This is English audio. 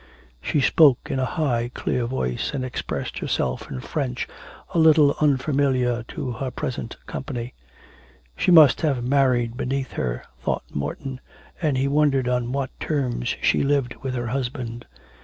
She spoke in a high clear voice, and expressed herself in French a little unfamiliar to her present company. 'She must have married beneath her,' thought Morton, and he wondered on what terms she lived with her husband.